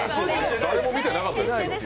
誰も見てなかったですよ。